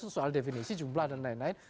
soal definisi jumlah dan lain lain